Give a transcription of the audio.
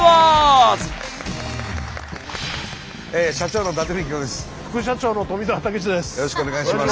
社長の伊達みきおです。